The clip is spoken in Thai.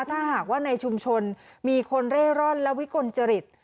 ถ้าหากว่าในชุมชนมีคนเร่ร่อนและวิกลจริต